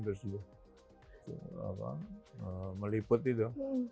terus meliput itu